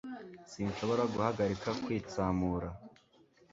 sinshobora guhagarika kwitsamura